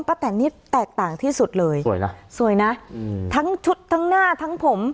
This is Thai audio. แตนนี่แตกต่างที่สุดเลยสวยนะสวยนะอืมทั้งชุดทั้งหน้าทั้งผม